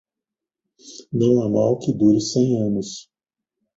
Não há mal que dure cem anos.